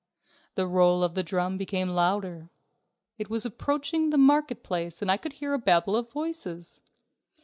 The roll of the drum became louder. It was approaching the market place and I could hear a babble of voices.